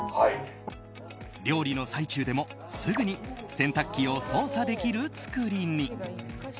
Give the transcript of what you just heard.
料理の最中でもすぐに洗濯機を操作できる作りに。